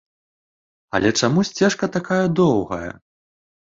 Але чаму сцежка такая доўгая?